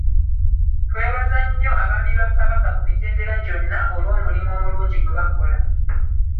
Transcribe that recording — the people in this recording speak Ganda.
Twebaza nnyo Abaami ba Kabaka ku mitendera gyonna olw’omulimu omulungi gwe bakola.